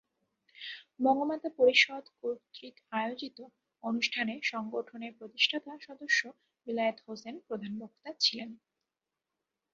বঙ্গমাতা পরিষদ কর্তৃক আয়োজিত অনুষ্ঠানে সংগঠনের প্রতিষ্ঠাতা সদস্য বিলায়েত হোসেন প্রধান বক্তা ছিলেন।